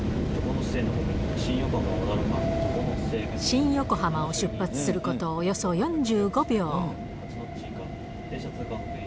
新横浜を出発すること、およそ４５秒。